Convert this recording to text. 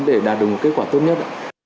để đạt được một kết quả tốt nhất